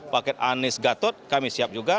paket anies gatot kami siap juga